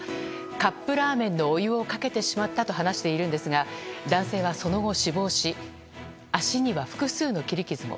カップラーメンのお湯をかけてしまったと話しているんですが男性はその後、死亡し足には複数の切り傷も。